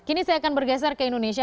kini saya akan bergeser ke indonesia